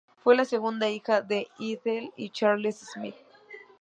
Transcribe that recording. Fue la segunda hija de Ethel y Charles Smith.